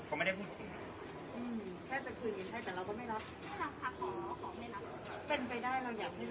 เป็นไปได้เรายังห้ยล้างเงินโปรดต่างงั้นถ้ายืน